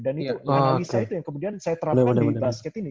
dan itu yang bisa itu kemudian saya terapkan di basket ini